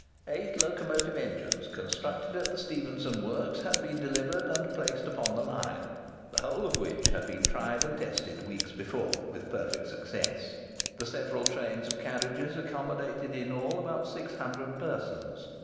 Eight locomotive engines, constructed at the Stephenson works, had been delivered and placed upon the line, the whole of which had been tried and tested weeks before, with perfect success. The several trains of carriages accommodated in all about six hundred persons.